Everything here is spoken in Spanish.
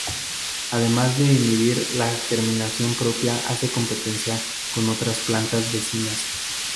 Además de inhibir la germinación propia, hace competencia con otras plantas vecinas.